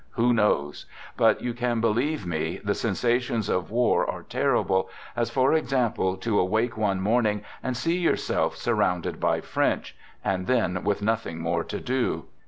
Who knows? But i you can believe me, the sensations of war are terri ' ble, as for example, to awake one morning and see ' yourself surrounded by French — and then with nothing more to do!